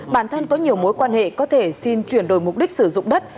bản thân có nhiều mối quan hệ có thể xin chuyển đổi mục đích sử dụng đất